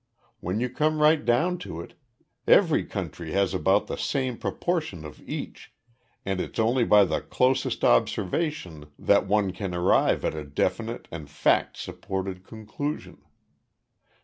When you come right down to it, every country has about the same proportion of each and it's only by the closest observation that one can arrive at a definite and fact supported conclusion.